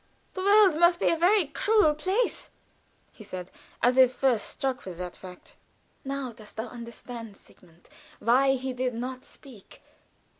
"The world must be a very cruel place," he said, as if first struck with that fact. "Now dost thou understand, Sigmund, why he did not speak?